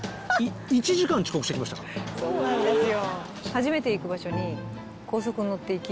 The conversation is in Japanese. そうなんですよ